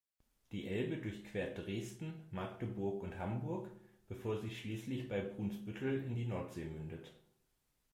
Die Elbe durchquert Dresden, Magdeburg und Hamburg, bevor sie schließlich bei Brunsbüttel in die Nordsee mündet.